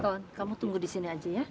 tonton kamu tunggu di sini aja ya